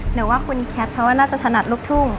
หรือว่าคุณแคทเขาว่าน่าจะถนัดลูกทุ่ง